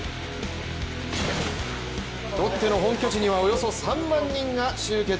ロッテの本拠地にはおよそ３万人が集結。